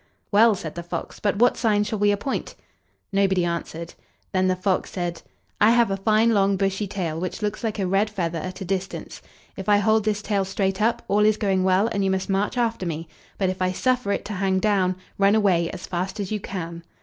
"Well," said the fox, "but what sign shall we appoint?" Nobody answered. Then the fox said: "I have a fine long bushy tail, which looks like a red feather at a distance; if I hold this tail straight up, all is going well and you must march after me; but if I suffer it to hang down, run away as fast as you can."